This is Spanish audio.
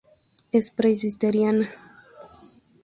Es presbiteriana.